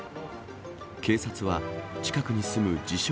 警察は、近くに住む自称